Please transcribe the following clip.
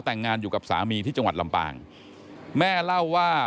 แต่งงานอยู่กับสามีที่จังหวัดลำปางแม่เล่าว่า